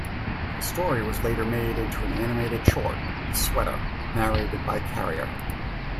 The story was later made into an animated short, "The Sweater", narrated by Carrier.